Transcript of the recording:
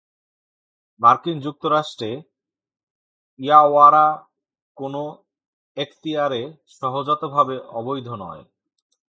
মার্কিন যুক্তরাষ্ট্রে, ইয়াওয়ারা কোনও এখতিয়ারে সহজাতভাবে অবৈধ নয়।